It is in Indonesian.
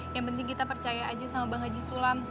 yang penting kita percaya aja sama bang haji sulam